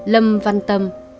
lầm văn tâm